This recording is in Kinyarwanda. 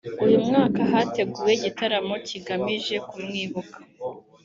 uyu mwaka hateguwe igitaramo kigamije kumwibuka